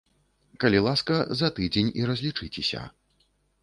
Калі ласка, за тыдзень і разлічыцеся.